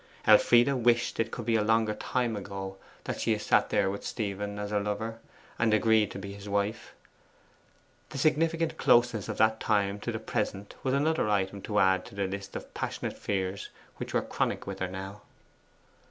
Elfride wished it could be a longer time ago that she had sat there with Stephen as her lover, and agreed to be his wife. The significant closeness of that time to the present was another item to add to the list of passionate fears which were chronic with her now.